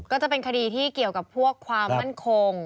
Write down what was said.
ก็จะเป็นคดีที่เกี่ยวกับพวกความมั่นคง